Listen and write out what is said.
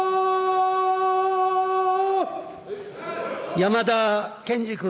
山田賢司君。